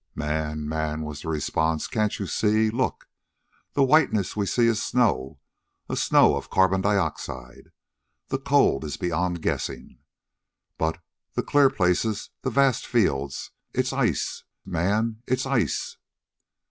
"Man man!" was the response, "can't you see? Look! The whiteness we see is snow, a snow of carbon dioxide. The cold is beyond guessing. But the clear places the vast fields it's ice, man, it's ice!"